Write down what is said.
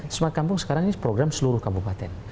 smart kampung sekarang ini program seluruh kabupaten